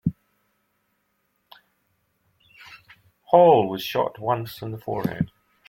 Hall was shot once in the forehead.